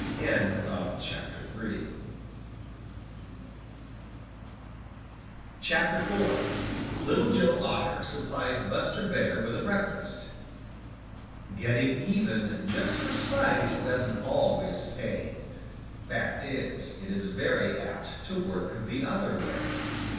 IV LITTLE JOE OTTER SUPPLIES BUSTER BEAR WITH A BREAKFAST Getting even just for spite Doesn't always pay. Fact is, it is very apt To work the other way.